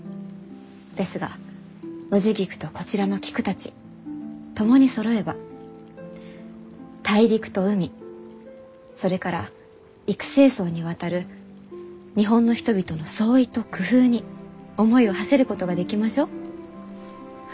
ですがノジギクとこちらの菊たち共にそろえば大陸と海それから幾星霜にわたる日本の人々の創意と工夫に思いをはせることができましょう。